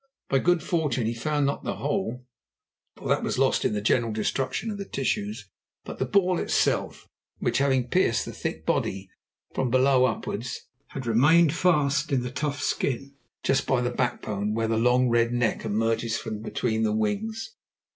By good fortune he found, not the hole, for that was lost in the general destruction of the tissues, but the ball itself, which, having pierced the thick body from below upwards, had remained fast in the tough skin just by the back bone where the long, red neck emerges from between the wings.